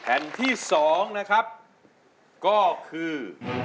แผ่นที่๒นะครับก็คือ